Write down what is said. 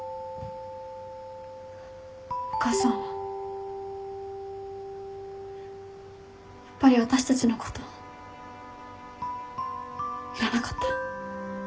お母さんはやっぱり私たちのこといらなかった？